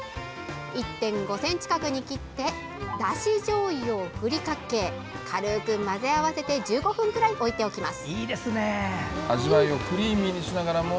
１．５ｃｍ角に切ってだしじょうゆを振りかけ軽く混ぜ合わせて１５分くらい置いておきます。